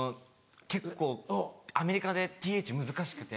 結構アメリカで「ｔｈ」難しくて。